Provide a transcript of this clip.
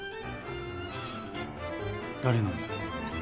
誰なんだ？